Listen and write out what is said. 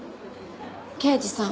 刑事さん。